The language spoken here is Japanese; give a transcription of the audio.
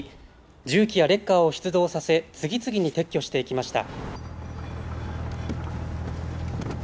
重機やレッカーを出動させ次々に撤去していきました。